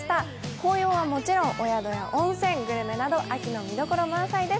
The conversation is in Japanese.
紅葉はもちろん、お宿や温泉、グルメなど秋の見どころ満載です。